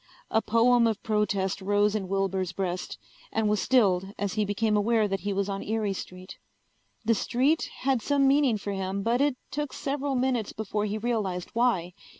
A poem of protest rose in Wilbur's breast, and was stilled as he became aware that he was on Erie street. The street had some meaning for him but it took several minutes before he realized why.